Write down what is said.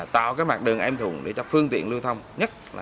tạo cái mặt đường em thùng để cho phương tiện lưu thông nhất